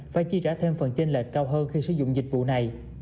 phải chi trả thêm phần trên lệch cao hơn khi sử dụng dịch vụ này